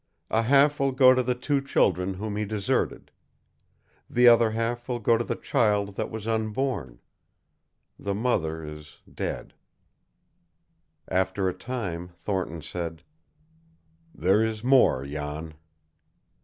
A half will go to the two children whom he deserted. The other half will go to the child that was unborn. The mother is dead." After a time Thornton said, "There is more, Jan."